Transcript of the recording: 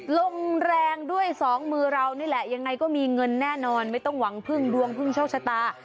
ลมแรงด้วยสองมือเรานี่แหละยังไงก็มีเงินแน่นอนไม่ต้องหวังพึ่งดวงพึ่งโชคชะตา